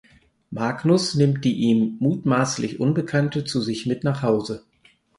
Magnus nimmt die ihm mutmaßlich Unbekannte zu sich mit nach Hause.